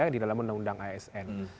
di dalam undang undang asn